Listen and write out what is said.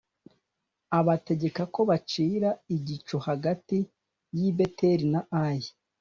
abategeka ko bacira igico hagati y i beteli na ayi.